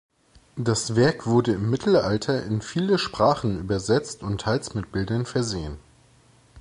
Das Werk wurde im Mittelalter in viele Sprachen übersetzt und teils mit Bildern versehen.